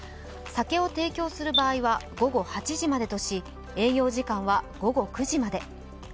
酒を提供する場合は午後８時までとし、営業時間は午後９時まで。